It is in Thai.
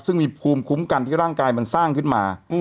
ซึ่งมีภูมิคุ้มกันที่ร่างกายมันสร้างขึ้นมา